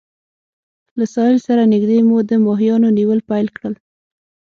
له ساحل سره نږدې مو د ماهیانو نیول پیل کړل.